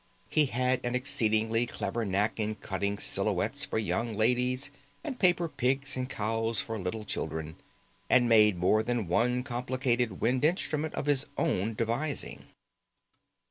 He had an exceedingly clever knack in cutting silhouettes for young ladies and paper pigs and cows for little children, and made more than one complicated wind instrument of his own devising.